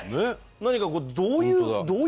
何かこうどういう。